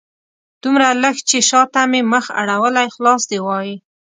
دومره لږ چې شاته مې مخ اړولی خلاص دې وای